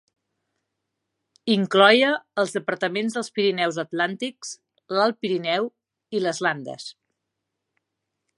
Incloïa els departaments dels Pirineus atlàntics, l'Alt Pirineu i les Landes.